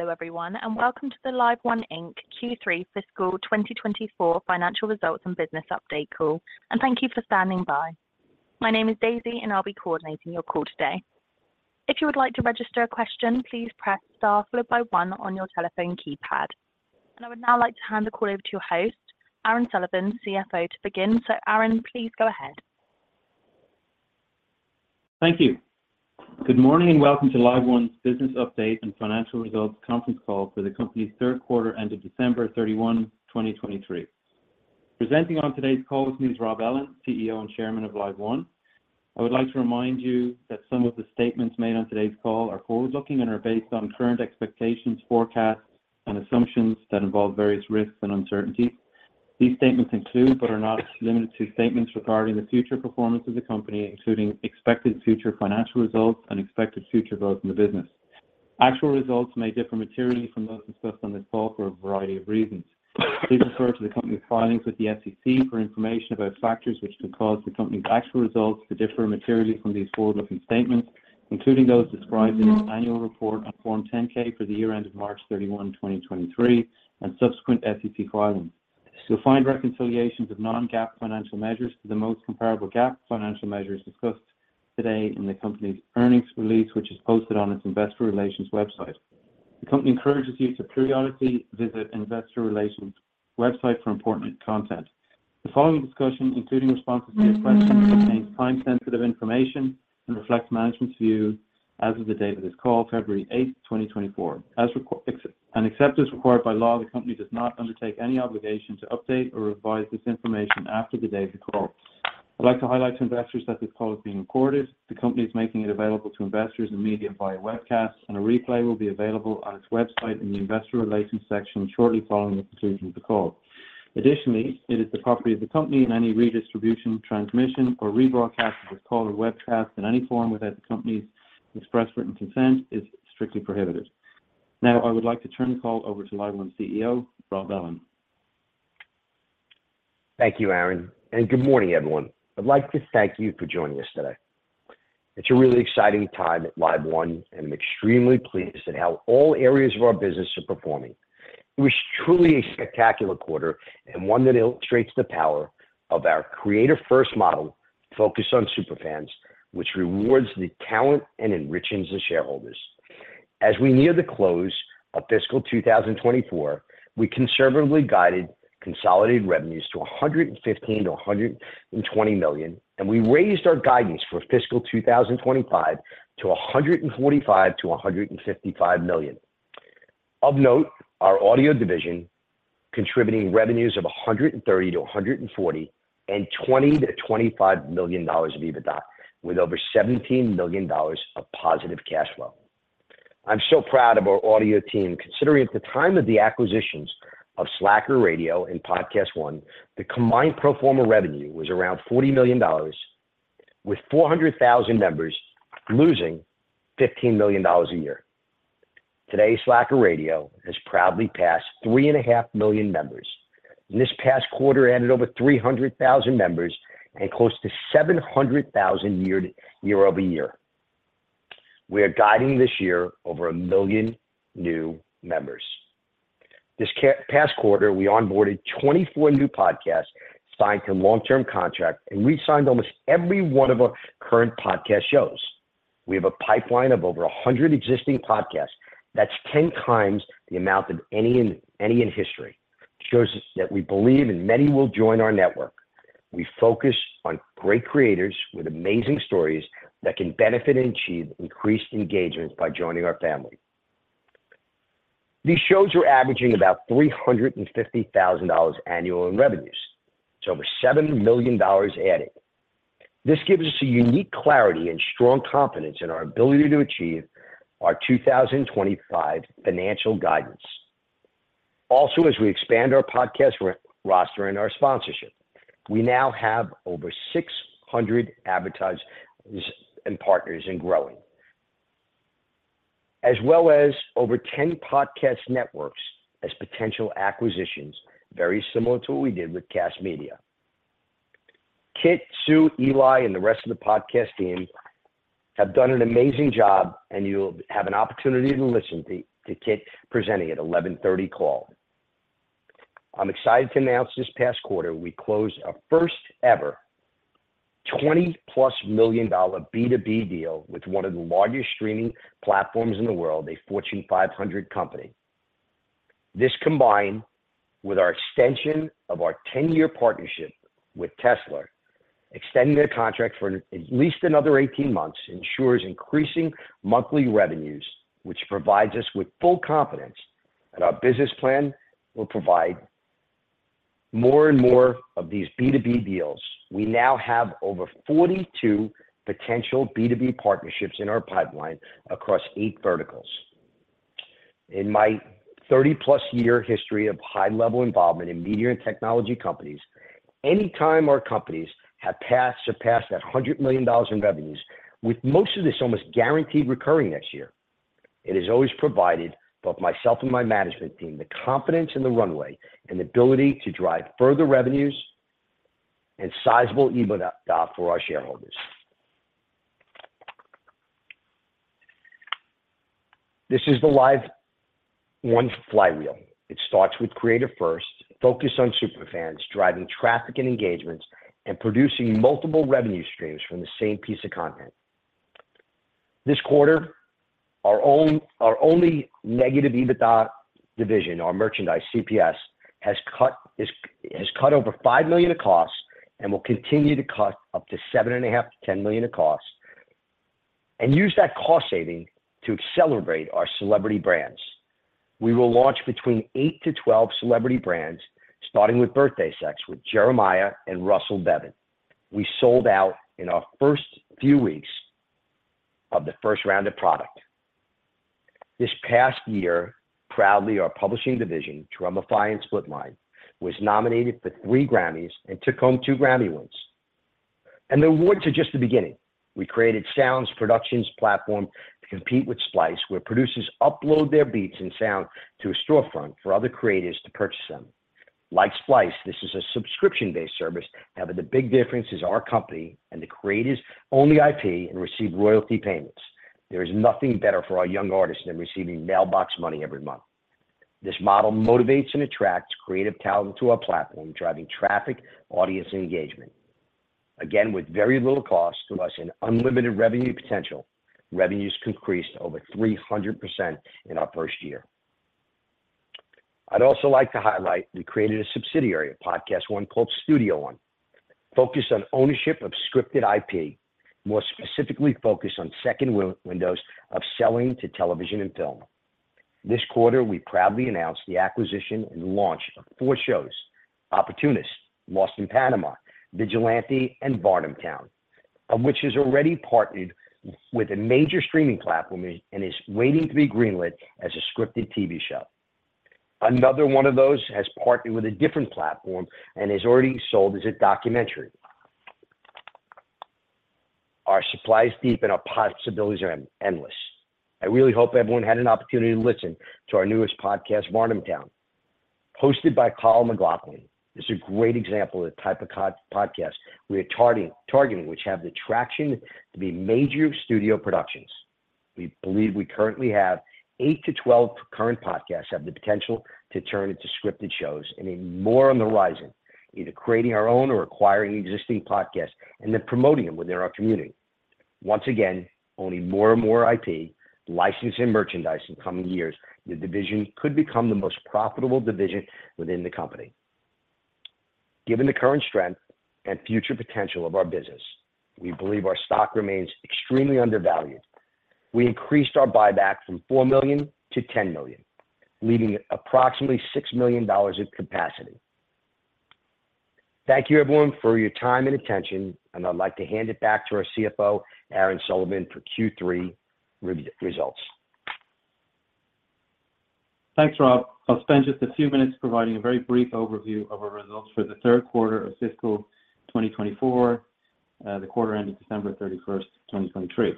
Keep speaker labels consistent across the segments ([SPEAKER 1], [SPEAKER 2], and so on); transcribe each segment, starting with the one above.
[SPEAKER 1] Hello, everyone, and welcome to the LiveOne Inc. Q3 Fiscal 2024 Financial Results and Business Update Call. Thank you for standing by. My name is Daisy, and I'll be coordinating your call today. If you would like to register a question, please press star followed by one on your telephone keypad. I would now like to hand the call over to your host, Aaron Sullivan, CFO, to begin. Aaron, please go ahead.
[SPEAKER 2] Thank you. Good morning, and welcome to LiveOne's Business Update and Financial Results conference call for the company's third quarter ended December 31, 2023. Presenting on today's call with me is Rob Ellin, CEO and Chairman of LiveOne. I would like to remind you that some of the statements made on today's call are forward-looking and are based on current expectations, forecasts, and assumptions that involve various risks and uncertainties. These statements include, but are not limited to, statements regarding the future performance of the company, including expected future financial results and expected future growth in the business. Actual results may differ materially from those discussed on this call for a variety of reasons. Please refer to the company's filings with the SEC for information about factors which could cause the company's actual results to differ materially from these forward-looking statements, including those described in its annual report on Form 10-K for the year end of March 31, 2023, and subsequent SEC filings. You'll find reconciliations of non-GAAP financial measures to the most comparable GAAP financial measures discussed today in the company's earnings release, which is posted on its investor relations website. The company encourages you to periodically visit investor relations website for important content. The following discussion, including responses to your questions, contains time-sensitive information and reflects management's view as of the date of this call, February 8, 2024. Except as required by law, the company does not undertake any obligation to update or revise this information after the date of the call. I'd like to highlight to investors that this call is being recorded. The company is making it available to investors and media via webcast, and a replay will be available on its website in the Investor Relations section shortly following the conclusion of the call. Additionally, it is the property of the company, and any redistribution, transmission, or rebroadcast of this call or webcast in any form without the company's express written consent is strictly prohibited. Now, I would like to turn the call over to LiveOne CEO, Rob Ellin.
[SPEAKER 3] Thank you, Aaron, and good morning, everyone. I'd like to thank you for joining us today. It's a really exciting time at LiveOne, and I'm extremely pleased at how all areas of our business are performing. It was truly a spectacular quarter and one that illustrates the power of our creator-first model, focused on super fans, which rewards the talent and enriches the shareholders. As we near the close of fiscal 2024, we conservatively guided consolidated revenues to $115 million-$120 million, and we raised our guidance for fiscal 2025 to $145 million-$155 million. Of note, our audio division, contributing revenues of $130 million-$140 million and $20 million-$25 million of EBITDA, with over $17 million of positive cash flow. I'm so proud of our audio team, considering at the time of the acquisitions of Slacker Radio and PodcastOne, the combined pro forma revenue was around $40 million, with 40,000 members losing $15 million a year. Today, Slacker Radio has proudly passed 3.5 million members. In this past quarter, added over 300,000 members and close to 700,000 year-over-year. We are guiding this year over 1 million new members. This past quarter, we onboarded 24 new podcasts, signed some long-term contract, and re-signed almost every one of our current podcast shows. We have a pipeline of over 100 existing podcasts. That's 10 times the amount of any in, any in history. Shows us that we believe, and many will join our network. We focus on great creators with amazing stories that can benefit and achieve increased engagement by joining our family. These shows are averaging about $350,000 annual in revenues, to over $7 million adding. This gives us a unique clarity and strong confidence in our ability to achieve our 2025 financial guidance. Also, as we expand our podcast roster and our sponsorship, we now have over 600 advertisers and partners, and growing, as well as over 10 podcast networks as potential acquisitions, very similar to what we did with Kast Media. Kit, Sue, Eli, and the rest of the podcast team have done an amazing job, and you'll have an opportunity to listen to Kit presenting at 11:30 call. I'm excited to announce this past quarter, we closed our first ever $20+ million B2B deal with one of the largest streaming platforms in the world, a Fortune 500 company. This, combined with our extension of our 10-year partnership with Tesla, extending their contract for at least another 18 months, ensures increasing monthly revenues, which provides us with full confidence that our business plan will provide more and more of these B2B deals. We now have over 42 potential B2B partnerships in our pipeline across 8 verticals. In my 30+ year history of high-level involvement in media and technology companies, anytime our companies have passed, surpassed that $100 million in revenues, with most of this almost guaranteed recurring next year, it has always provided both myself and my management team, the confidence and the runway and ability to drive further revenues and sizable EBITDA for our shareholders. This is the LiveOne flywheel. It starts with creator first, focused on superfans, driving traffic and engagement, and producing multiple revenue streams from the same piece of content. This quarter, our only negative EBITDA division, our merchandise CPS, has cut over $5 million of costs and will continue to cut up to $7.5-$10 million in costs, and use that cost saving to accelerate our celebrity brands. We will launch between 8-12 celebrity brands, starting with Birthday Sex with Jeremih and Russell Bevan. We sold out in our first few weeks of the first round of product. This past year, proudly, our publishing division, Drumify and Splitmind, was nominated for 3 Grammys and took home 2 Grammy wins. The awards are just the beginning. We created sounds production platform to compete with Splice, where producers upload their beats and sound to a storefront for other creators to purchase them. Like Splice, this is a subscription-based service, however, the big difference is our company and the creators own the IP and receive royalty payments. There is nothing better for our young artists than receiving mailbox money every month. This model motivates and attracts creative talent to our platform, driving traffic, audience, and engagement. Again, with very little cost to us and unlimited revenue potential, revenues increased over 300% in our first year. I'd also like to highlight, we created a subsidiary of PodcastOne called Studio One, focused on ownership of scripted IP, more specifically focused on second windows of selling to television and film. This quarter, we proudly announced the acquisition and launch of 4 shows, Opportunist, Lost in Panama, Vigilante, and Varnamtown, of which is already partnered with a major streaming platform and is waiting to be greenlit as a scripted TV show. Another one of those has partnered with a different platform and is already sold as a documentary. Our supply is deep and our possibilities are endless. I really hope everyone had an opportunity to listen to our newest podcast, Varnamtown, hosted by Kyle MacLachlan. This is a great example of the type of podcast we are targeting, which have the traction to be major studio productions. We believe we currently have 8-12 current podcasts, have the potential to turn into scripted shows, and even more on the horizon, either creating our own or acquiring existing podcasts and then promoting them within our community. Once again, owning more and more IP, licensing, merchandise in coming years, the division could become the most profitable division within the company. Given the current strength and future potential of our business, we believe our stock remains extremely undervalued. We increased our buyback from $4 million to $10 million, leaving approximately $6 million at capacity. Thank you, everyone, for your time and attention, and I'd like to hand it back to our CFO, Aaron Sullivan, for Q3 results.
[SPEAKER 2] Thanks, Rob. I'll spend just a few minutes providing a very brief overview of our results for the third quarter of fiscal 2024, the quarter ending December 31, 2023.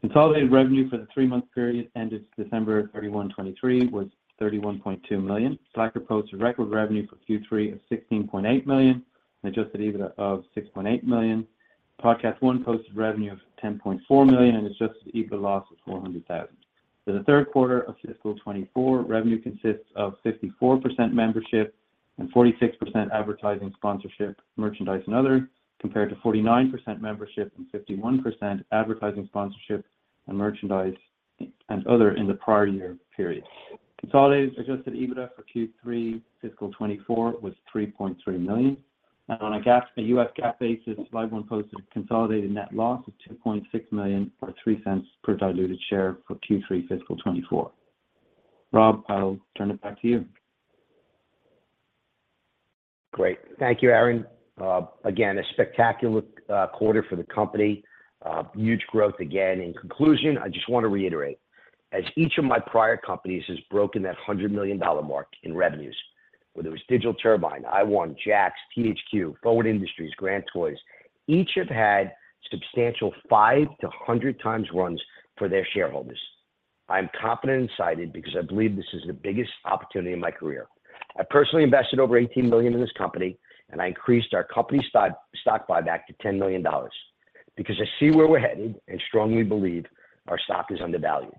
[SPEAKER 2] Consolidated revenue for the three-month period ended December 31, 2023, was $31.2 million. Slacker posted record revenue for Q3 of $16.8 million, adjusted EBITDA of $6.8 million. PodcastOne posted revenue of $10.4 million and adjusted EBITDA loss of $400,000. For the third quarter of fiscal 2024, revenue consists of 54% membership and 46% advertising, sponsorship, merchandise, and other, compared to 49% membership and 51% advertising, sponsorship, and merchandise, and other in the prior year period. Consolidated adjusted EBITDA for Q3 fiscal 2024 was $3.3 million. On a U.S. GAAP basis, LiveOne posted a consolidated net loss of $2.6 million, or $0.03 per diluted share for Q3 fiscal 2024. Rob, I'll turn it back to you.
[SPEAKER 3] Great. Thank you, Aaron. Again, a spectacular quarter for the company. Huge growth again. In conclusion, I just want to reiterate, as each of my prior companies has broken that $100 million mark in revenues, whether it was Digital Turbine, iWon, JAKKS, THQ, Forward Industries, Grand Toys, each have had substantial 5- to 100-times runs for their shareholders. I'm confident and excited because I believe this is the biggest opportunity in my career. I personally invested over $18 million in this company, and I increased our company stock buyback to $10 million because I see where we're headed and strongly believe our stock is undervalued.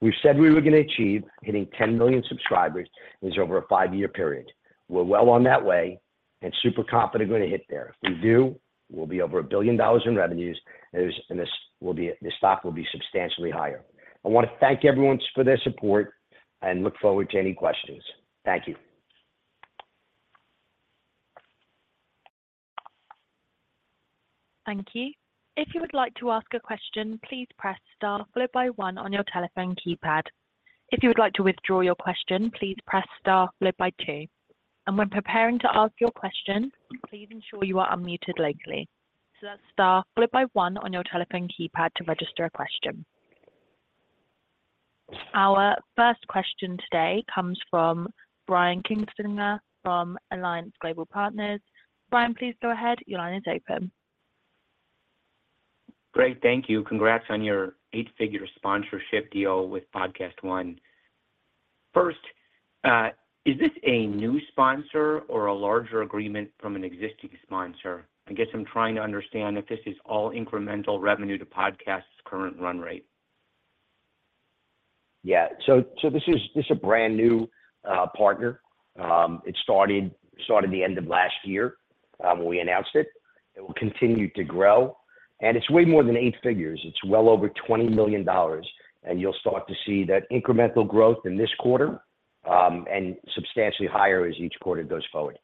[SPEAKER 3] We've said we were going to achieve hitting 10 million subscribers is over a 5-year period. We're well on that way and super confident we're going to hit there. If we do, we'll be over $1 billion in revenues, and this will be, the stock will be substantially higher. I want to thank everyone for their support and look forward to any questions. Thank you.
[SPEAKER 1] Thank you. If you would like to ask a question, please press star followed by one on your telephone keypad. If you would like to withdraw your question, please press star followed by two. When preparing to ask your question, please ensure you are unmuted locally. That's star followed by one on your telephone keypad to register a question. Our first question today comes from Brian Kinstlinger from Alliance Global Partners. Brian, please go ahead. Your line is open.
[SPEAKER 4] Great, thank you. Congrats on your eight-figure sponsorship deal with PodcastOne. First, is this a new sponsor or a larger agreement from an existing sponsor? I guess I'm trying to understand if this is all incremental revenue to Podcast's current run rate.
[SPEAKER 3] Yeah. So, this is a brand new partner. It started the end of last year, when we announced it. It will continue to grow, and it's way more than eight figures. It's well over $20 million, and you'll start to see that incremental growth in this quarter, and substantially higher as each quarter goes forward.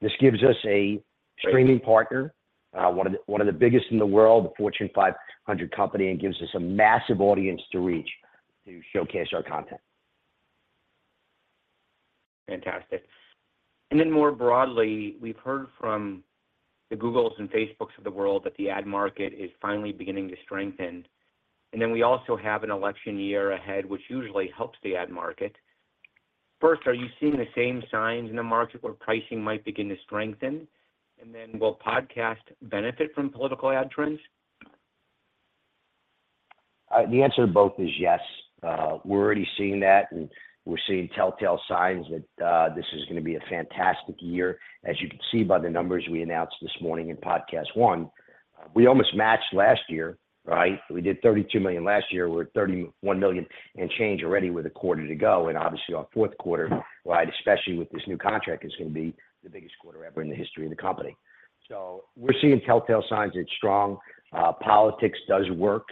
[SPEAKER 3] This gives us a streaming partner, one of the biggest in the world, a Fortune 500 company, and gives us a massive audience to reach to showcase our content.
[SPEAKER 4] Fantastic. Then more broadly, we've heard from the Googles and Facebooks of the world that the ad market is finally beginning to strengthen, and then we also have an election year ahead, which usually helps the ad market. First, are you seeing the same signs in the market where pricing might begin to strengthen? And then will podcast benefit from political ad trends?
[SPEAKER 3] The answer to both is yes. We're already seeing that, and we're seeing telltale signs that this is gonna be a fantastic year. As you can see by the numbers we announced this morning in PodcastOne, we almost matched last year, right? We did $32 million last year. We're at $31 million and change already with a quarter to go, and obviously our fourth quarter, right, especially with this new contract, is gonna be the biggest quarter ever in the history of the company. So we're seeing telltale signs it's strong. Politics does work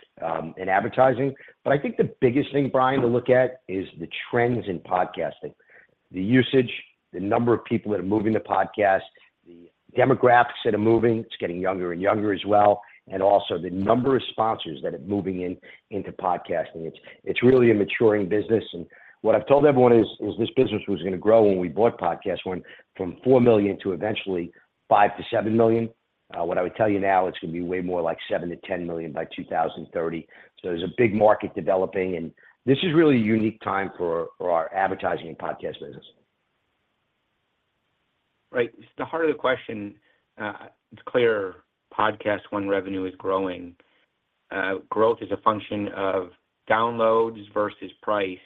[SPEAKER 3] in advertising, but I think the biggest thing, Brian, to look at is the trends in podcasting. The usage, the number of people that are moving to podcast, the demographics that are moving, it's getting younger and younger as well, and also the number of sponsors that are moving in- into podcasting. It's, it's really a maturing business, and what I've told everyone is, is this business was gonna grow when we bought PodcastOne from $4 million to eventually $5 million-$7 million. What I would tell you now, it's gonna be way more like $7 million-$10 million by 2030. So there's a big market developing, and this is really a unique time for, for our Advertising and Podcast business.
[SPEAKER 4] Right. Just the heart of the question, it's clear PodcastOne revenue is growing. Growth is a function of downloads versus price.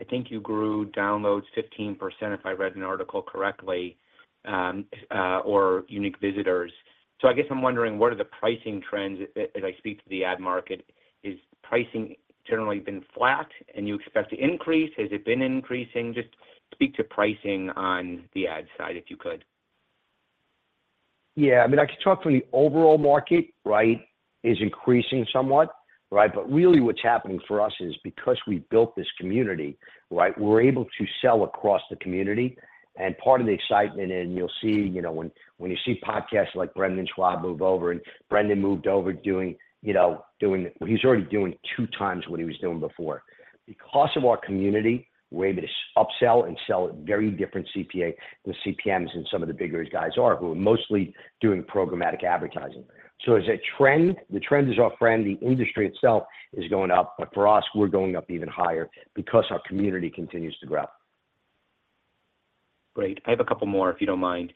[SPEAKER 4] I think you grew downloads 15%, if I read an article correctly, or unique visitors. So I guess I'm wondering, what are the pricing trends as I speak to the ad market? Is pricing generally been flat and you expect to increase? Has it been increasing? Just speak to pricing on the ad side, if you could.
[SPEAKER 3] Yeah. I mean, I can talk from the overall market, right, is increasing somewhat, right? But really what's happening for us is because we've built this community, right, we're able to sell across the community, and part of the excitement, and you'll see... You know, when you see podcasts like Brendan Schaub move over, and Brendan moved over doing, you know – well, he's already doing two times what he was doing before. Because of our community, we're able to upsell and sell at very different CPA than CPMs, and some of the bigger guys are, who are mostly doing programmatic advertising. So as a trend, the trend is our friend. The industry itself is going up, but for us, we're going up even higher because our community continues to grow.
[SPEAKER 4] Great. I have a couple more, if you don't mind.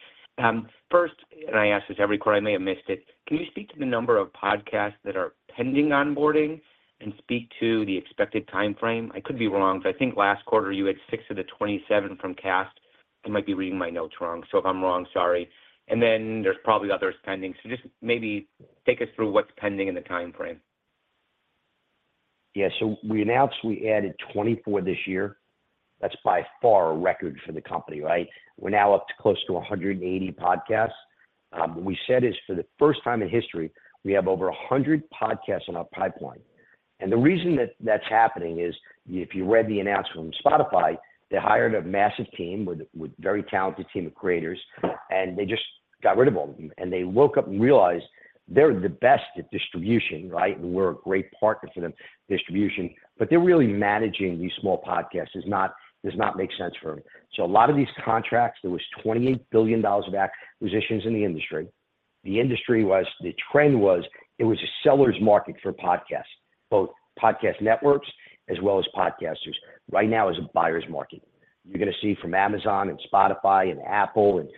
[SPEAKER 4] First, and I ask this every quarter, I may have missed it: Can you speak to the number of podcasts that are pending onboarding and speak to the expected timeframe? I could be wrong, but I think last quarter you had 6 of the 27 from Cast. I might be reading my notes wrong, so if I'm wrong, sorry. And then there's probably others pending. So just maybe take us through what's pending and the timeframe.
[SPEAKER 3] Yeah. So we announced we added 24 this year. That's by far a record for the company, right? We're now up to close to 180 podcasts. We said as for the first time in history, we have over 100 podcasts in our pipeline. And the reason that that's happening is, if you read the announcement from Spotify, they hired a massive team with very talented team of creators, and they just got rid of all of them. And they woke up and realized they're the best at distribution, right? And we're a great partner for them, distribution, but they're really managing these small podcasts does not make sense for them. So a lot of these contracts, there was $28 billion of acquisitions in the industry. The industry—the trend was, it was a seller's market for podcasts, both podcast networks as well as podcasters. Right now, it's a buyer's market. You're gonna see from Amazon and Spotify and Apple and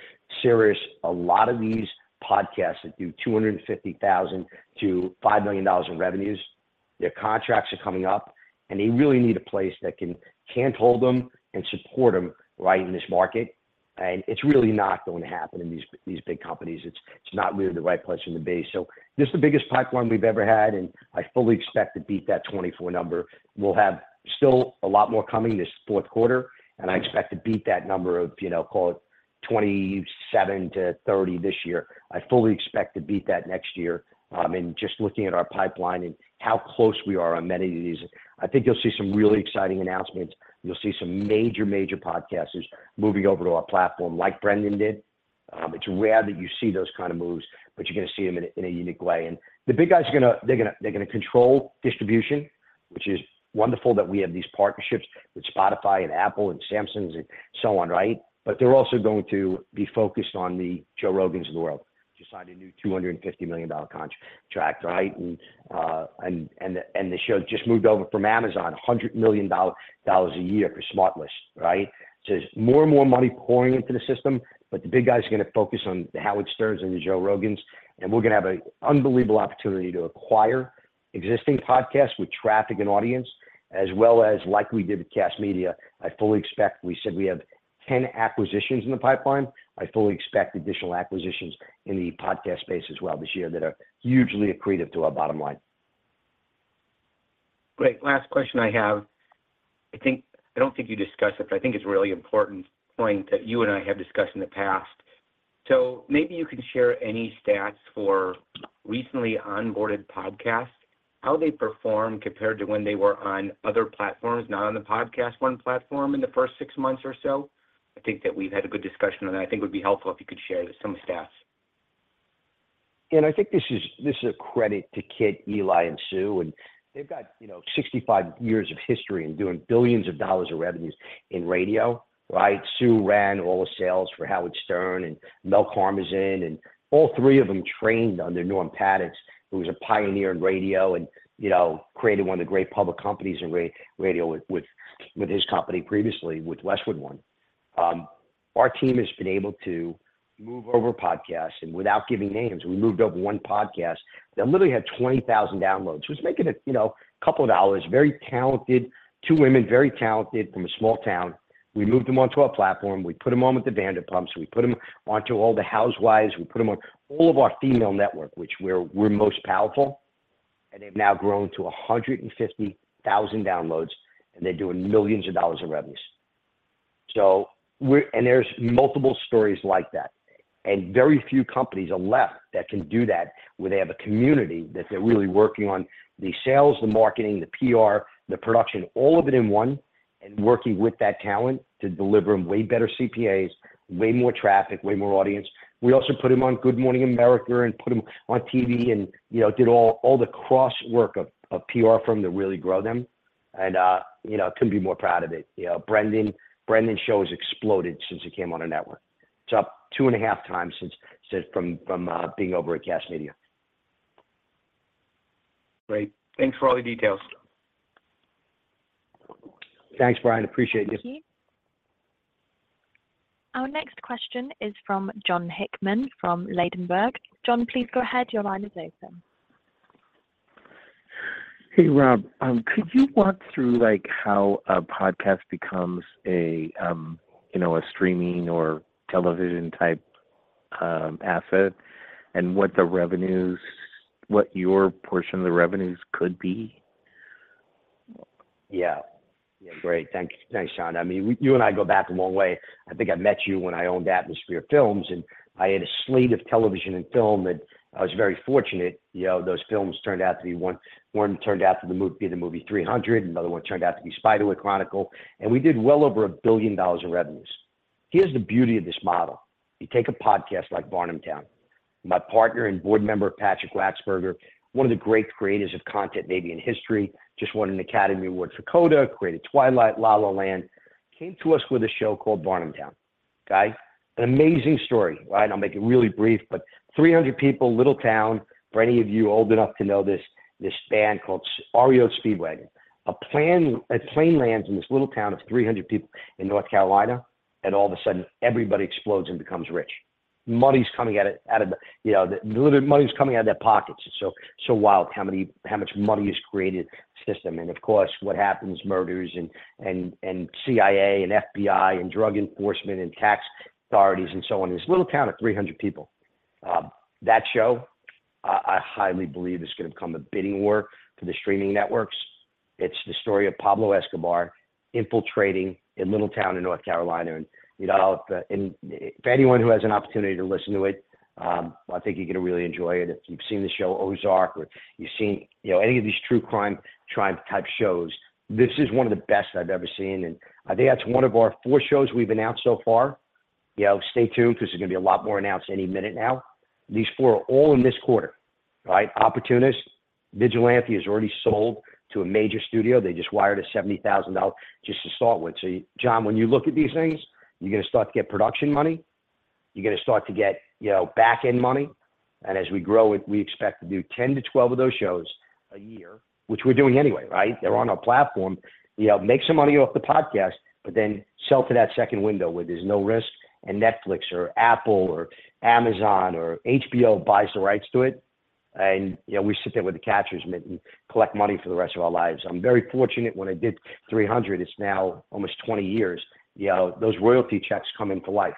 [SPEAKER 3] Sirius, a lot of these podcasts that do $250,000-$5 million in revenues, their contracts are coming up, and they really need a place that can handhold them and support them, right, in this market. And it's really not going to happen in these, these big companies. It's, it's not really the right place to be. So this is the biggest pipeline we've ever had, and I fully expect to beat that 24 number. We'll have still a lot more coming this fourth quarter, and I expect to beat that number of, you know, call it 27-30 this year. I fully expect to beat that next year. And just looking at our pipeline and how close we are on many of these, I think you'll see some really exciting announcements. You'll see some major, major podcasters moving over to our platform, like Brendan did. It's rare that you see those kind of moves, but you're gonna see them in a unique way. And the big guys are gonna—they're gonna control distribution, which is wonderful that we have these partnerships with Spotify and Apple and Samsung and so on, right? But they're also going to be focused on the Joe Rogans of the world, who just signed a new $250 million contract, right? And the show just moved over from Amazon, $100 million a year for Smartless, right? So there's more and more money pouring into the system, but the big guys are gonna focus on the Howard Sterns and the Joe Rogans, and we're gonna have an unbelievable opportunity to acquire existing podcasts with traffic and audience... as well as like we did with Kast Media. I fully expect. We said we have 10 acquisitions in the pipeline. I fully expect additional acquisitions in the podcast space as well this year that are hugely accretive to our bottom line.
[SPEAKER 4] Great. Last question I have, I think, I don't think you discussed it, but I think it's a really important point that you and I have discussed in the past. So maybe you can share any stats for recently onboarded podcasts, how they perform compared to when they were on other platforms, not on the PodcastOne platform, in the first six months or so. I think that we've had a good discussion, and I think it would be helpful if you could share some stats.
[SPEAKER 3] I think this is a credit to Kit, Eli, and Sue, and they've got, you know, 65 years of history in doing $ billions of revenues in radio, right? Sue ran all the sales for Howard Stern and Mel Karmazin, and all three of them trained under Norm Pattiz, who was a pioneer in radio and, you know, created one of the great public companies in radio with his company previously, with Westwood One. Our team has been able to move over podcasts, and without giving names, we moved over one podcast that literally had 20,000 downloads. It was making a, you know, couple of dollars. Very talented, two women, very talented from a small town. We moved them onto our platform. We put them on with the Vanderpumps. We put them onto all the Housewives. We put them on all of our female network, which we're, we're most powerful, and they've now grown to 150,000 downloads, and they're doing $ millions in revenues. So we're... And there's multiple stories like that, and very few companies are left that can do that, where they have a community, that they're really working on the sales, the marketing, the PR, the production, all of it in one, and working with that talent to deliver them way better CPAs, way more traffic, way more audience. We also put them on Good Morning America and put them on TV and, you know, did all, all the cross work of, of PR for them to really grow them, and, you know, couldn't be more proud of it. You know, Brendan, Brendan's show has exploded since he came on our network.It's up 2.5 times since from being over at Kast Media.
[SPEAKER 4] Great. Thanks for all the details.
[SPEAKER 3] Thanks, Brian. Appreciate you.
[SPEAKER 1] Thank you. Our next question is from Jon Hickman from Ladenburg Thalmann. John, please go ahead. Your line is open.
[SPEAKER 5] Hey, Rob, could you walk through, like, how a podcast becomes a, you know, a streaming or television-type, asset? And what the revenues- what your portion of the revenues could be?
[SPEAKER 3] Yeah. Yeah, great. Thank you. Thanks, John. I mean, you and I go back a long way. I think I met you when I owned Atmosphere Films, and I had a slate of television and film that I was very fortunate. You know, those films turned out to be one; one turned out to be the movie 300, another one turned out to be The Spiderwick Chronicles, and we did well over $1 billion in revenues. Here's the beauty of this model: you take a podcast like Varnamtown. My partner and board member, Patrick Wachsberger, one of the great creators of content maybe in history, just won an Academy Award for CODA, created Twilight, La La Land, came to us with a show called Varnamtown. Guys, an amazing story. Right, I'll make it really brief, but 300 people, little town, for any of you old enough to know this, this band called REO Speedwagon. A plane lands in this little town of 300 people in North Carolina, and all of a sudden, everybody explodes and becomes rich. Money's coming out of, out of the... You know, literally, money's coming out of their pockets. It's so, so wild how many- how much money is created system. And of course, what happens? Murders and, and, and CIA, and FBI, and drug enforcement, and tax authorities, and so on, in this little town of 300 people. That show, I highly believe it's gonna become a bidding war for the streaming networks. It's the story of Pablo Escobar infiltrating a little town in North Carolina, and, you know, and if anyone who has an opportunity to listen to it, I think you're gonna really enjoy it. If you've seen the show Ozark, or you've seen, you know, any of these true crime tribe-type shows, this is one of the best I've ever seen, and I think that's one of our four shows we've announced so far. You know, stay tuned because there's gonna be a lot more announced any minute now. These four are all in this quarter, right? Opportunist, Vigilante is already sold to a major studio. They just wired us $70,000 just to start with. So John, when you look at these things, you're gonna start to get production money, you're gonna start to get, you know, back-end money, and as we grow it, we expect to do 10-12 of those shows a year, which we're doing anyway, right? They're on our platform. You know, make some money off the podcast, but then sell to that second window where there's no risk, and Netflix or Apple or Amazon or HBO buys the rights to it, and, you know, we sit there with the catcher's mitt and collect money for the rest of our lives. I'm very fortunate when I did 300, it's now almost 20 years, you know, those royalty checks come in for life,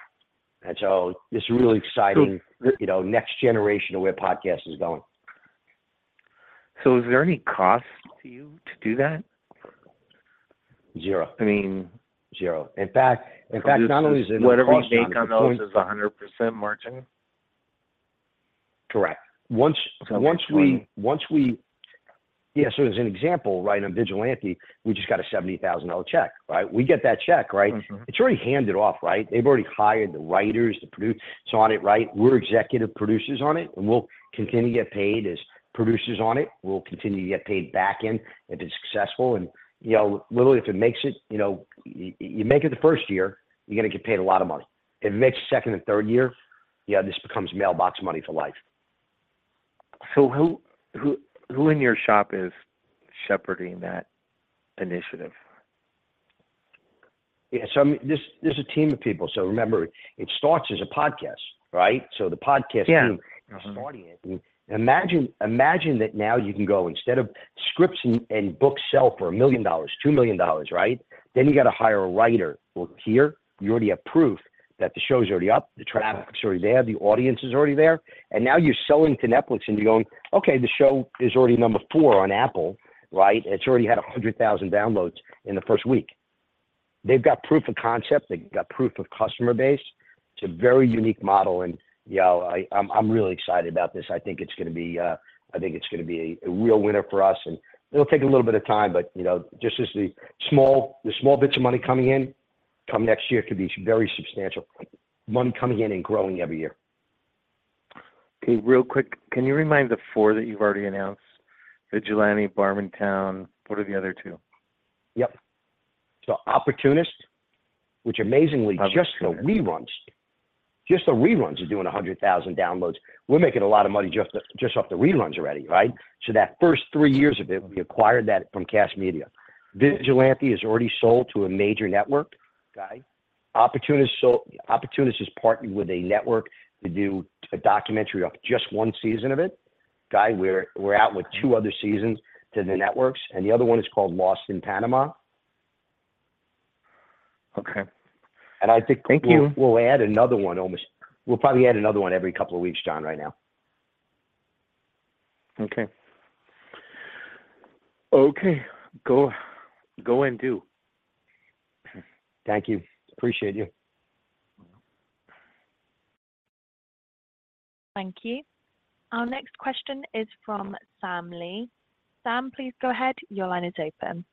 [SPEAKER 3] and so it's really exciting, you know, next generation of where podcast is going.
[SPEAKER 5] So is there any cost to you to do that?
[SPEAKER 3] Zero.
[SPEAKER 5] I mean-
[SPEAKER 3] Zero. In fact, not only is it-
[SPEAKER 5] Whatever you make on those is 100% margin?
[SPEAKER 3] Correct. Once we-
[SPEAKER 5] Okay.
[SPEAKER 3] Once we... Yeah, so as an example, right, on Vigilante, we just got a $70,000 check, right? We get that check, right?
[SPEAKER 5] Mm-hmm.
[SPEAKER 3] It's already handed off, right? They've already hired the writers, the producers on it, right? We're executive producers on it, and we'll continue to get paid as producers on it. We'll continue to get paid back in if it's successful. And, you know, literally, if it makes it, you know, you make it the first year, you're gonna get paid a lot of money. If it makes second and third year, yeah, this becomes mailbox money for life.
[SPEAKER 5] So who in your shop is shepherding that initiative?
[SPEAKER 3] Yeah, so, I mean, there's a team of people. So remember, it starts as a podcast, right? So the podcast-team is starting it. Imagine, imagine that now you can go, instead of scripts and, and books sell for $1 million, $2 million, right? Then you gotta hire a writer. Well, here, you already have proof that the show's already up, the traffic's already there, the audience is already there, and now you're selling to Netflix, and you're going: "Okay, the show is already number 4 on Apple, right? It's already had 100,000 downloads in the first week." They've got proof of concept, they've got proof of customer base. It's a very unique model, and yeah, I, I'm, I'm really excited about this. I think it's gonna be a real winner for us, and it'll take a little bit of time, but you know, just as the small bits of money coming in, come next year, could be very substantial money coming in and growing every year.
[SPEAKER 5] Okay, real quick, can you remind the four that you've already announced? Vigilante, Varnamtown, what are the other two?
[SPEAKER 3] Yep. So Opportunist, which amazingly just the reruns, just the reruns are doing 100,000 downloads. We're making a lot of money just, just off the reruns already, right? So that first three years of it, we acquired that from Kast Media. Vigilante is already sold to a major network, Guy. Opportunist sold... Opportunist is partnered with a network to do a documentary off just one season of it. Guy, we're, we're out with two other seasons to the networks, and the other one is called Lost in Panama.
[SPEAKER 5] Okay.
[SPEAKER 3] I think-
[SPEAKER 5] Thank you.
[SPEAKER 3] We'll add another one almost... We'll probably add another one every couple of weeks, John, right now.
[SPEAKER 5] Okay. Okay, go, go and do.
[SPEAKER 3] Thank you. Appreciate you.
[SPEAKER 1] Thank you. Our next question is from Sam Lee. Sam, please go ahead. Your line is open.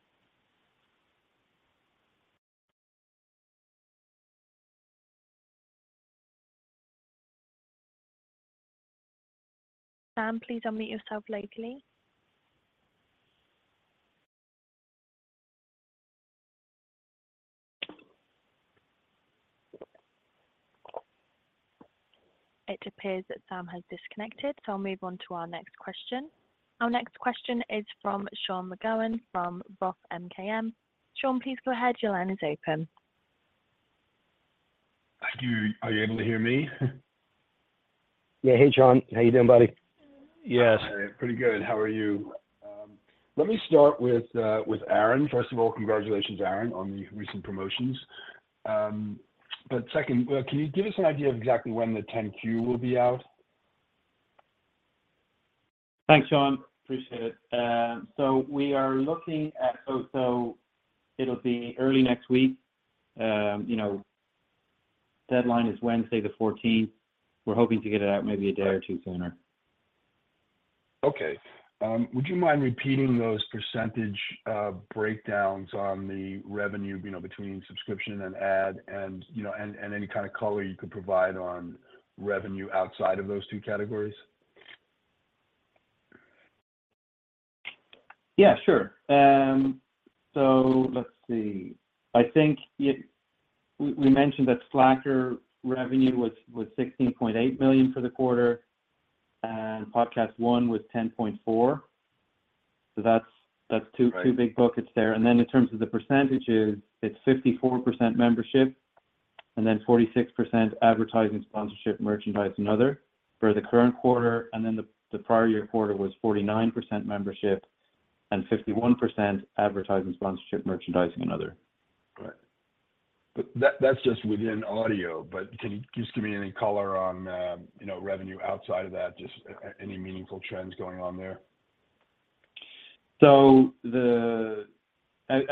[SPEAKER 1] Sam, please unmute yourself lightly. It appears that Sam has disconnected, so I'll move on to our next question. Our next question is from Sean McGowan from Roth MKM. Sean, please go ahead. Your line is open.
[SPEAKER 6] Thank you. Are you able to hear me?
[SPEAKER 3] Yeah. Hey, Sean. How you doing, buddy?
[SPEAKER 6] Yes, pretty good. How are you? Let me start with Aaron. First of all, congratulations, Aaron, on the recent promotions. But second, can you give us an idea of exactly when the 10-Q will be out?
[SPEAKER 2] Thanks, Sean. Appreciate it. So we are looking at. So, so it'll be early next week. You know, deadline is Wednesday the fourteenth. We're hoping to get it out maybe a day or two sooner.
[SPEAKER 6] Okay. Would you mind repeating those percentage breakdowns on the revenue, you know, between subscription and ad and, you know, any kind of color you could provide on revenue outside of those two categories?
[SPEAKER 2] Yeah, sure. So let's see. I think we mentioned that Slacker revenue was $16.8 million for the quarter, and PodcastOne was $10.4 million. So that's two big buckets there. And then in terms of the percentages, it's 54% membership, and then 46% advertising, sponsorship, merchandise, and other, for the current quarter, and then the prior year quarter was 49% membership and 51% advertising, sponsorship, merchandising, and other.
[SPEAKER 6] Got it. But that, that's just within audio. But can you just give me any color on, you know, revenue outside of that, just any meaningful trends going on there?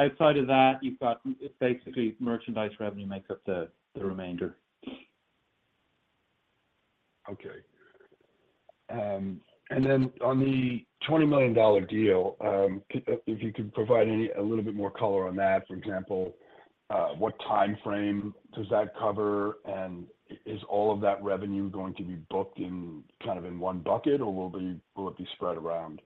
[SPEAKER 2] Outside of that, you've got, basically, merchandise revenue makes up the remainder.
[SPEAKER 6] Okay. And then on the $20 million deal, if you could provide any, a little bit more color on that. For example, what time frame does that cover? And is all of that revenue going to be booked in, kind of in one bucket, or will it be spread around?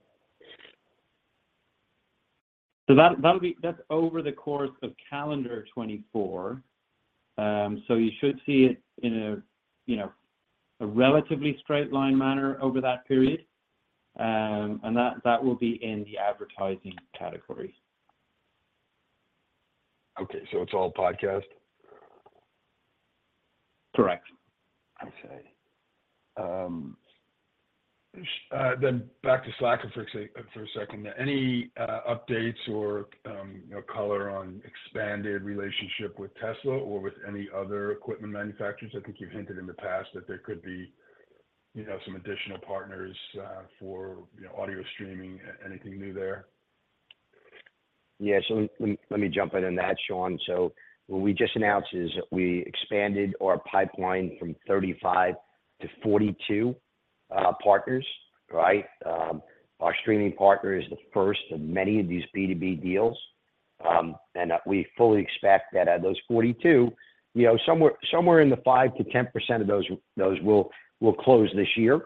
[SPEAKER 2] So that, that'll be... That's over the course of calendar 2024. So you should see it in a, you know, a relatively straight line manner over that period. And that, that will be in the advertising category.
[SPEAKER 6] Okay. So it's all podcast?
[SPEAKER 2] Correct.
[SPEAKER 6] I see. Then back to Slacker for a second. Any updates or, you know, color on expanded relationship with Tesla or with any other equipment manufacturers? I think you've hinted in the past that there could be, you know, some additional partners for, you know, audio streaming. Anything new there?
[SPEAKER 3] Yeah. So let me, let me jump in on that, Sean. So what we just announced is we expanded our pipeline from 35 to 42 partners, right? Our streaming partner is the first of many of these B2B deals. And we fully expect that out of those 42, you know, somewhere, somewhere in the 5%-10% of those, those will close this year.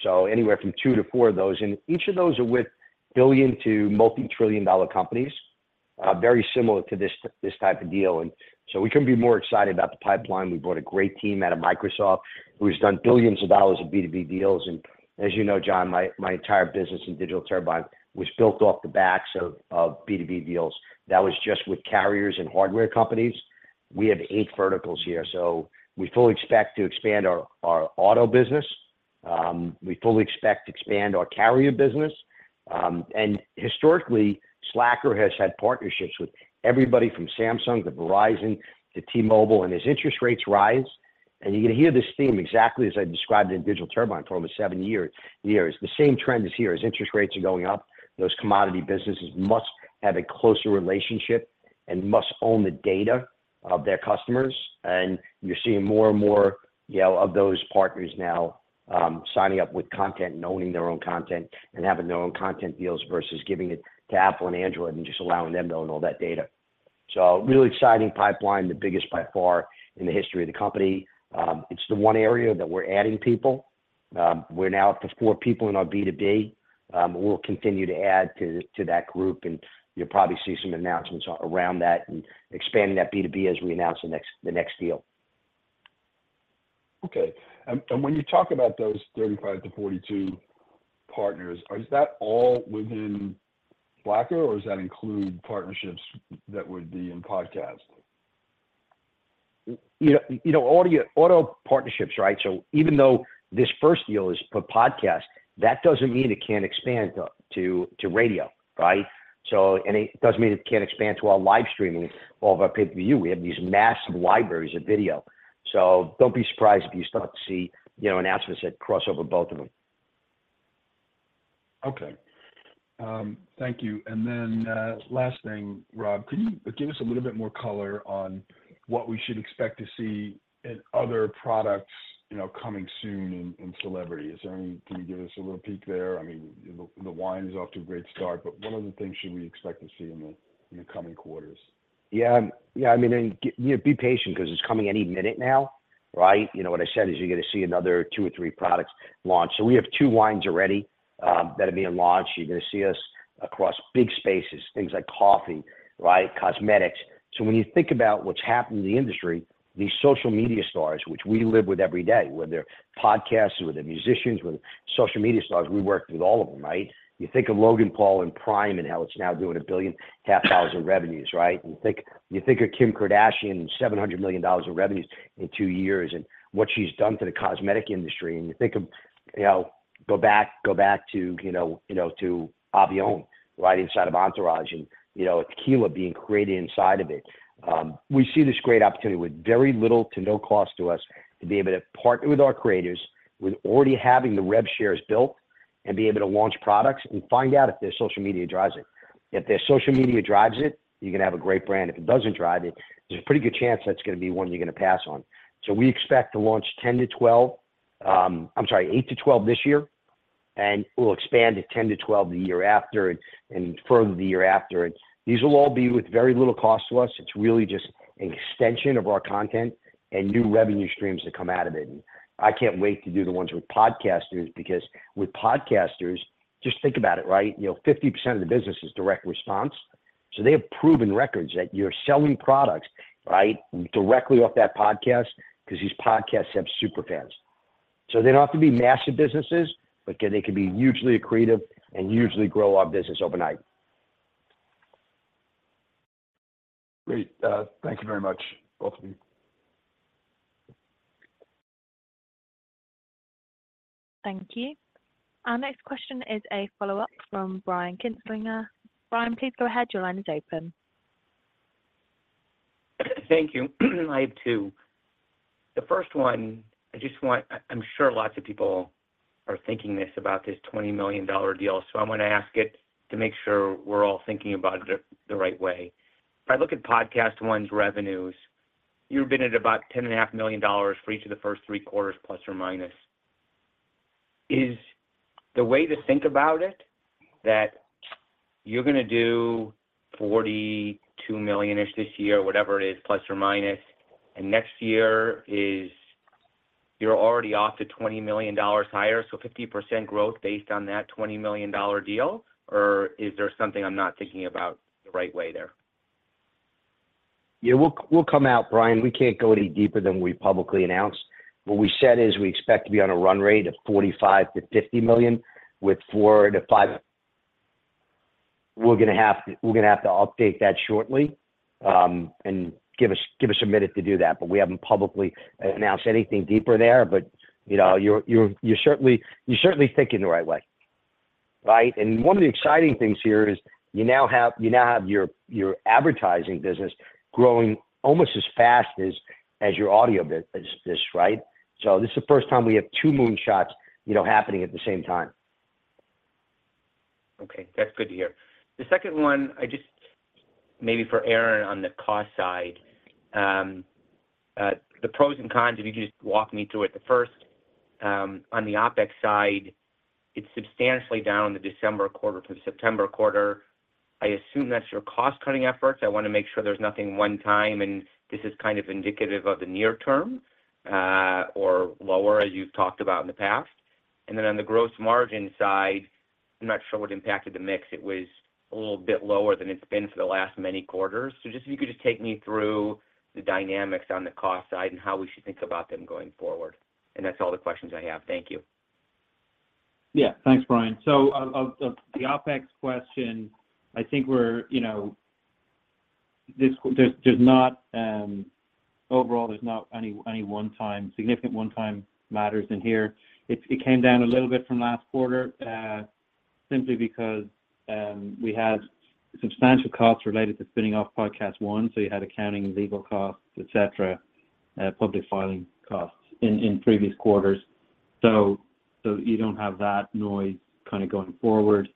[SPEAKER 3] So anywhere from 2-4 of those, and each of those are with billion- to multi-trillion-dollar companies, very similar to this, this type of deal, and so we couldn't be more excited about the pipeline. We brought a great team out of Microsoft, who's done billions of dollars of B2B deals, and as you know, John, my, my entire business in Digital Turbine was built off the backs of B2B deals. That was just with carriers and hardware companies. We have eight verticals here, so we fully expect to expand our Auto business. We fully expect to expand our Carrier business. And historically, Slacker has had partnerships with everybody from Samsung to Verizon to T-Mobile. And as interest rates rise, and you're going to hear this theme exactly as I described it in Digital Turbine for almost seven years, the same trend is here. As interest rates are going up, those commodity businesses must have a closer relationship and must own the data of their customers, and you're seeing more and more, you know, of those partners now, signing up with content and owning their own content and having their own content deals versus giving it to Apple and Android and just allowing them to own all that data. So really exciting pipeline, the biggest by far in the history of the company. It's the one area that we're adding people. We're now up to four people in our B2B. We'll continue to add to that group, and you'll probably see some announcements around that and expanding that B2B as we announce the next deal.
[SPEAKER 6] Okay. And when you talk about those 35-42 partners, is that all within Slacker, or does that include partnerships that would be in podcast?
[SPEAKER 3] You know, audio-auto partnerships, right? So even though this first deal is for podcast, that doesn't mean it can't expand to radio, right? So and it doesn't mean it can't expand to our live streaming or our pay-per-view. We have these massive libraries of video, so don't be surprised if you start to see, you know, announcements that cross over both of them.
[SPEAKER 6] Okay. Thank you. And then, last thing, Rob, could you give us a little bit more color on what we should expect to see in other products, you know, coming soon in, in celebrity? Is there any—can you give us a little peek there? I mean, the, the wine is off to a great start, but what other things should we expect to see in the, in the coming quarters?
[SPEAKER 3] Yeah, yeah, I mean, and, you know, be patient because it's coming any minute now, right? You know what I said is you're going to see another 2 or 3 products launch. So we have 2 wines already that are being launched. You're going to see us across big spaces, things like coffee, right, cosmetics. So when you think about what's happened in the industry, these social media stars, which we live with every day, whether they're podcasters, whether they're musicians, whether social media stars, we worked with all of them, right? You think of Logan Paul and Prime and how it's now doing $1.5 billion revenues, right? You think, you think of Kim Kardashian, $700 million of revenues in 2 years, and what she's done to the cosmetic industry. You think of, you know, go back, go back to, you know, you know, to Avión, right inside of Entourage, and, you know, tequila being created inside of it. We see this great opportunity with very little to no cost to us to be able to partner with our creators, with already having the rev shares built, and be able to launch products and find out if their social media drives it. If their social media drives it, you're going to have a great brand. If it doesn't drive it, there's a pretty good chance that's going to be one you're going to pass on. So we expect to launch 10-12, I'm sorry, 8-12 this year, and we'll expand to 10-12 the year after and, and further the year after. These will all be with very little cost to us. It's really just an extension of our content and new revenue streams that come out of it. I can't wait to do the ones with podcasters, because with podcasters, just think about it, right? You know, 50% of the business is direct response, so they have proven records that you're selling products, right, directly off that podcast, because these podcasts have super fans. So they don't have to be massive businesses, but they can be hugely accretive and hugely grow our business overnight.
[SPEAKER 6] Great. Thank you very much, both of you.
[SPEAKER 1] Thank you. Our next question is a follow-up from Brian Kinstlinger. Brian, please go ahead. Your line is open.
[SPEAKER 4] Thank you. I have two. The first one, I just want- I'm sure lots of people are thinking this about this $20 million deal, so I'm going to ask it to make sure we're all thinking about it the, the right way. If I look at PodcastOne's revenues, you've been at about $10.5 million for each of the first three quarters, ±. Is the way to think about it, that you're going to do $42 million-ish this year, whatever it is, ±, and next year is, you're already off to $20 million higher, so 50% growth based on that $20 million deal, or is there something I'm not thinking about the right way there?
[SPEAKER 3] Yeah, we'll come out, Brian. We can't go any deeper than we publicly announced. What we said is we expect to be on a run rate of $45 million-$50 million, with 4-5... We're going to have to update that shortly, and give us a minute to do that, but we haven't publicly announced anything deeper there. But, you know, you're certainly thinking the right way, right? And one of the exciting things here is you now have your Advertising business growing almost as fast as your Audio business, right? So this is the first time we have two moon shots, you know, happening at the same time.
[SPEAKER 4] Okay, that's good to hear. The second one, I just maybe for Aaron on the cost side, the pros and cons, if you could just walk me through it. The first, on the OpEx side, it's substantially down the December quarter to the September quarter. I assume that's your cost-cutting efforts. I want to make sure there's nothing one time, and this is kind of indicative of the near term, or lower, as you've talked about in the past. And then on the gross margin side, I'm not sure what impacted the mix. It was a little bit lower than it's been for the last many quarters. So just if you could just take me through the dynamics on the cost side and how we should think about them going forward. And that's all the questions I have. Thank you....
[SPEAKER 2] Yeah, thanks, Brian. So of the OpEx question, I think we're, you know, this, there's not overall, there's not any one time, significant one-time matters in here. It came down a little bit from last quarter simply because we had substantial costs related to spinning off PodcastOne, so you had accounting and legal costs, et cetera, public filing costs in previous quarters. So you don't have that noise kind of going forward.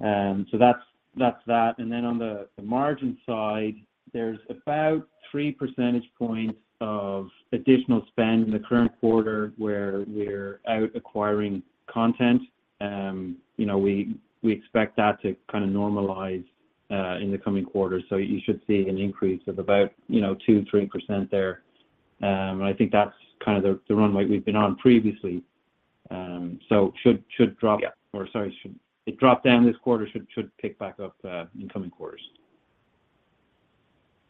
[SPEAKER 2] So that's that. And then on the margin side, there's about three percentage points of additional spend in the current quarter, where we're out acquiring content. You know, we expect that to kind of normalize in the coming quarters. So you should see an increase of about, you know, 2-3% there. And I think that's kind of the runway we've been on previously. So should drop- Or sorry, it dropped down this quarter. It should pick back up in coming quarters.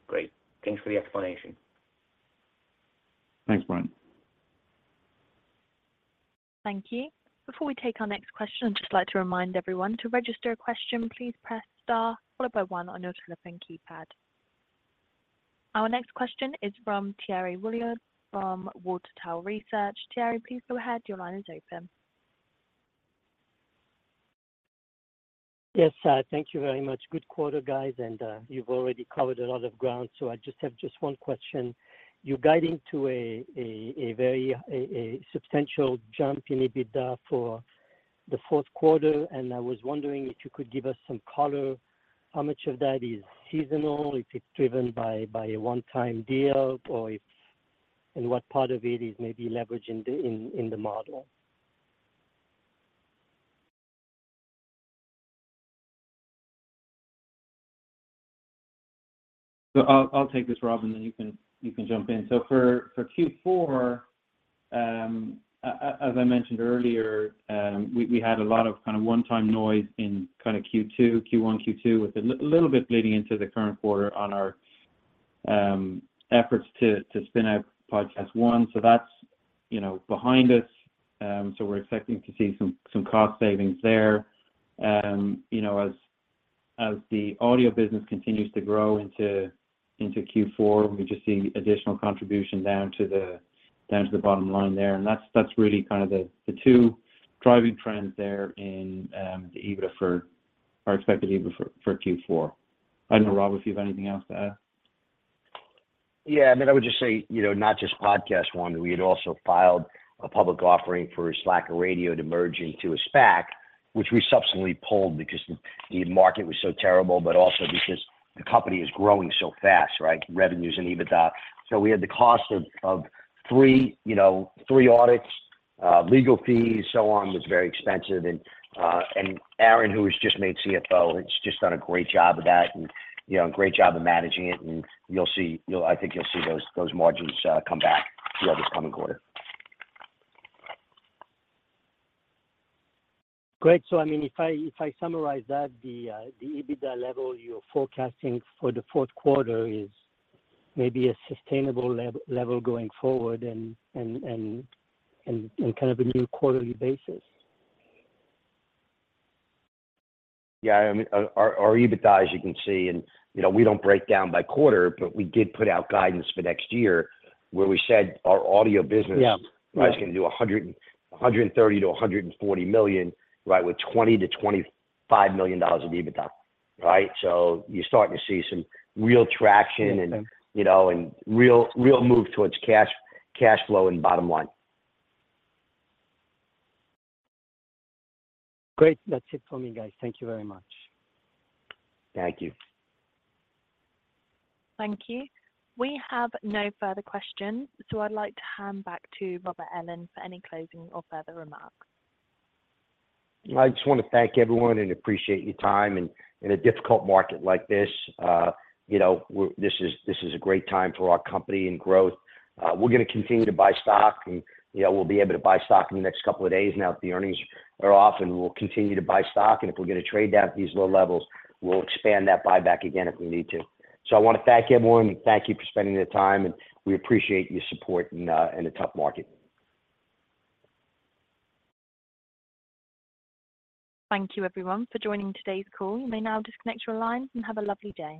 [SPEAKER 3] Great. Thanks for the explanation.
[SPEAKER 2] Thanks, Brian.
[SPEAKER 1] Thank you. Before we take our next question, I'd just like to remind everyone: to register a question, please press star followed by one on your telephone keypad. Our next question is from Thierry Wuilloud from Water Tower Research. Thierry, please go ahead. Your line is open.
[SPEAKER 7] Yes, thank you very much. Good quarter, guys, and you've already covered a lot of ground, so I just have one question. You're guiding to a very substantial jump in EBITDA for the fourth quarter, and I was wondering if you could give us some color, how much of that is seasonal, if it's driven by a one-time deal, or if... And what part of it is maybe leveraged in the model?
[SPEAKER 2] So I'll take this, Rob, and then you can jump in. So for Q4, as I mentioned earlier, we had a lot of kind of one-time noise in kind of Q1, Q2, with a little bit bleeding into the current quarter on our efforts to spin out PodcastOne. So that's, you know, behind us, so we're expecting to see some cost savings there. You know, as the Audio business continues to grow into Q4, we're just seeing additional contribution down to the bottom line there. And that's really kind of the two driving trends there in the EBITDA for our expected EBITDA for Q4. I don't know, Rob, if you have anything else to add.
[SPEAKER 3] Yeah, I mean, I would just say, you know, not just PodcastOne, we had also filed a public offering for Slacker Radio to merge into a SPAC, which we subsequently pulled because the, the market was so terrible, but also because the company is growing so fast, right? Revenues and EBITDA. So we had the cost of, of 3, you know, 3 audits, legal fees, so on, was very expensive. And Aaron, who was just made CFO, has just done a great job of that and, you know, great job of managing it, and you'll see, I think you'll see those margins come back throughout this coming quarter.
[SPEAKER 7] Great. So I mean, if I summarize that, the EBITDA level you're forecasting for the fourth quarter is maybe a sustainable level going forward and kind of a new quarterly basis?
[SPEAKER 3] Yeah, I mean, our EBITDA, as you can see, and, you know, we don't break down by quarter, but we did put out guidance for next year, where we said our Audio business-
[SPEAKER 7] Yeah...
[SPEAKER 3] Right, is gonna do 130-140 million, right, with $20-$25 million of EBITDA, right? So you're starting to see some real traction-
[SPEAKER 7] Yeah.
[SPEAKER 3] You know, and real, real move towards cash, cash flow and bottom line.
[SPEAKER 7] Great. That's it for me, guys. Thank you very much.
[SPEAKER 3] Thank you.
[SPEAKER 1] Thank you. We have no further questions, so I'd like to hand back to Robert Ellin for any closing or further remarks.
[SPEAKER 3] I just want to thank everyone, and appreciate your time. And in a difficult market like this, you know, this is, this is a great time for our company and growth. We're gonna continue to buy stock, and, you know, we'll be able to buy stock in the next couple of days now that the earnings are off, and we'll continue to buy stock. And if we'll get a trade down at these low levels, we'll expand that buyback again, if we need to. So I wanna thank everyone. Thank you for spending the time, and we appreciate your support in, in a tough market.
[SPEAKER 1] Thank you everyone for joining today's call. You may now disconnect your lines, and have a lovely day.